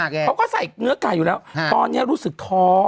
เขาก็ใส่เนื้อไก่อยู่แล้วตอนนี้รู้สึกท้อง